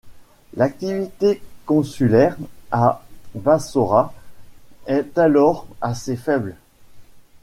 L'activité consulaire à Bassorah est alors assez faible.